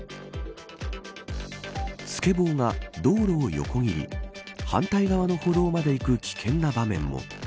スケボーが道路を横切り反対側の歩道まで行く危険な場面も。